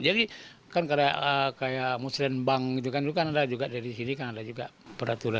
jadi kan kayak muslim bank itu kan ada juga dari sini kan ada juga peraturan itu